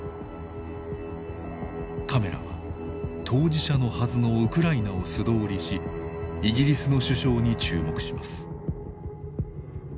カメラは当事者のはずのウクライナを素通りしイギリスの首相に注目します。